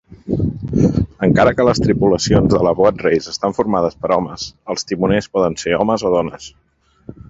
Encara que les tripulacions de la Boat Race estan formades per homes, els timoners poden ser homes o dones.